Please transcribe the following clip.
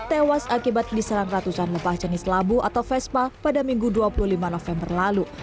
tewas akibat diserang ratusan lebah jenis labu atau vespa pada minggu dua puluh lima november lalu